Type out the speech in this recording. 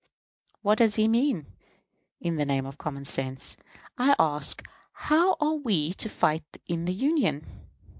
What does that mean? In the name of common sense, I ask how are we to fight in the Union?